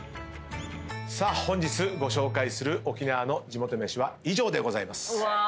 本日ご紹介する沖縄の地元飯は以上でございます。